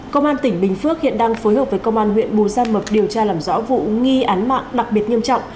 công an tỉnh bình phước hiện đang phối hợp với công an huyện bù gia mập điều tra làm rõ vụ nghi án mạng đặc biệt nghiêm trọng